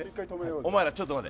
お前ら、ちょっと待て。